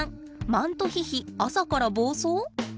マントヒヒ朝から暴走？